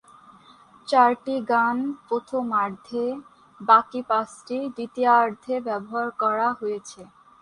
চারটি গান প্রথমার্ধে, বাকি পাঁচটি দ্বিতীয়ার্ধে ব্যবহার করা হয়েছে।